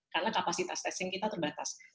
karena kapasitas testing kita terbatas